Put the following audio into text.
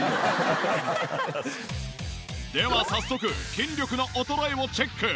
では早速筋力の衰えをチェック。